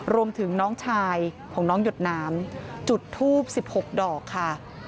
รวมถึงน้องชายของน้องหยดน้ำจุดทูบ๑๖ดอกค่ะ